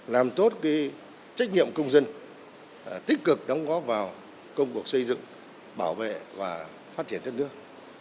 làm tốt trách nhiệm công dân tích cực đóng góp vào công cuộc xây dựng bảo vệ và phát triển đất nước